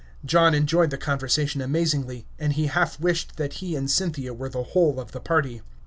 John enjoyed the conversation amazingly, and he half wished that he and Cynthia were the whole of the party.